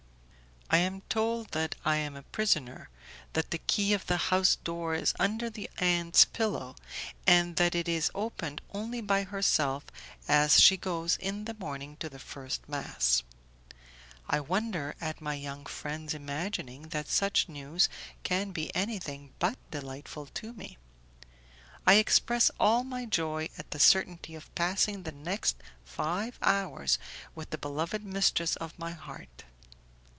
I am told that I am a prisoner, that the key of the house door is under the aunt's pillow, and that it is opened only by herself as she goes in the morning to the first mass. I wonder at my young friends imagining that such news can be anything but delightful to me. I express all my joy at the certainty of passing the next five hours with the beloved mistress of my heart.